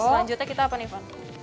selanjutnya kita apa nih fan